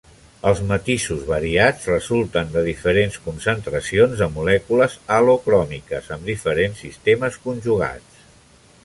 Els matisos variats resulten de diferents concentracions de molècules halo cròmiques amb diferents sistemes conjugats.